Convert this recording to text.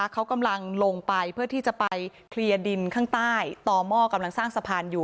เขากำลังลงไปเพื่อที่จะไปเคลียร์ดินข้างใต้ต่อหม้อกำลังสร้างสะพานอยู่